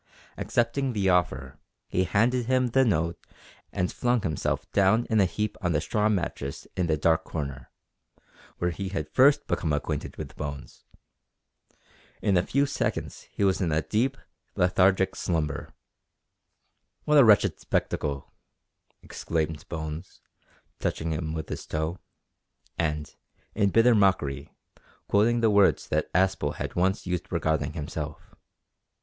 Accepting the offer, he handed him the note and flung himself down in a heap on the straw mattress in the dark corner, where he had first become acquainted with Bones. In a few seconds he was in a deep lethargic slumber. "What a wretched spectacle!" exclaimed Bones, touching him with his toe, and, in bitter mockery, quoting the words that Aspel had once used regarding himself.